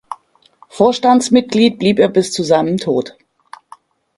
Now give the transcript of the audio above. Vorstandsmitglied blieb er bis zu seinem Tod.